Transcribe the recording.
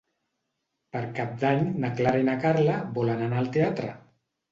Per Cap d'Any na Clara i na Carla volen anar al teatre.